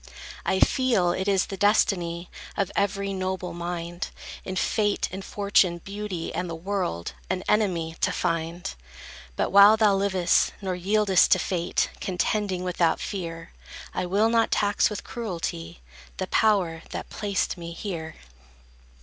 I feel it is the destiny Of every noble mind, In Fate, in Fortune, Beauty, and the World, An enemy to find: But while thou liv'st, nor yield'st to Fate, Contending without fear, I will not tax with cruelty The power that placed me here.